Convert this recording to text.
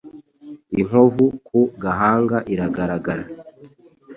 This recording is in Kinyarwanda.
Inkovu ku gahanga iragaragara.